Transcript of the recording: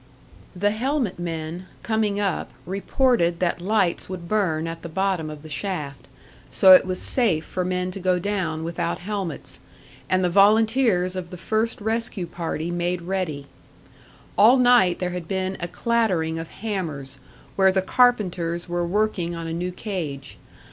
The helmet men, coming up, reported that lights would burn at the bottom of the shaft; so it was safe for men to go down without helmets, and the volunteers of the first rescue party made ready. All night there had been a clattering of hammers, where the carpenters were working on a new cage.